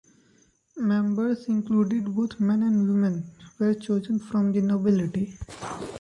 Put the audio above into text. Members included both men and women, were chosen from the nobility.